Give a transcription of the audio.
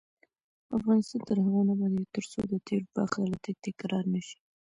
افغانستان تر هغو نه ابادیږي، ترڅو د تیر وخت غلطۍ تکرار نشي.